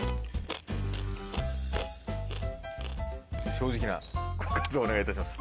正直なご感想お願いいたします。